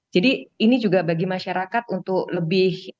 jadi ini juga bagi masyarakat untuk lakukan kontraflow